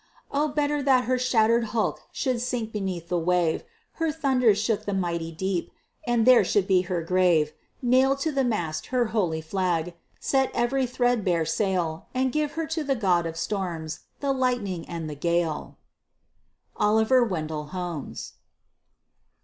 Oh better that her shattered hulk Should sink beneath the wave; Her thunders shook the mighty deep, And there should be her grave; Nail to the mast her holy flag, Set every threadbare sail, And give her to the god of storms, The lightning and the gale! OLIVER WENDELL HOLMES.